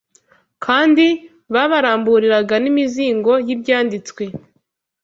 kandi babaramburiraga n’imizingo y’Ibyanditswe